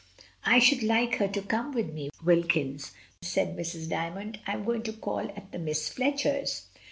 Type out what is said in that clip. "I should like her to come with me, Wilkins," said Mrs. Dymond. "I am going to call at the Miss Fletchers'."